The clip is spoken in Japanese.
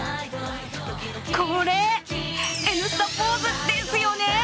これ、Ｎスタポーズですよね。